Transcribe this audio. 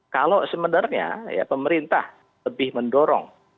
kalau sebenarnya ya pemerintah lebih mendorong